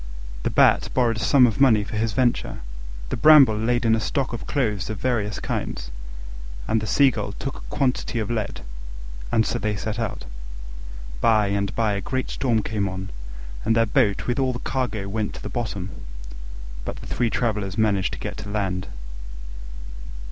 The Bat borrowed a sum of money for his venture; the Bramble laid in a stock of clothes of various kinds; and the Seagull took a quantity of lead: and so they set out. By and by a great storm came on, and their boat with all the cargo went to the bottom, but the three travellers managed to reach land.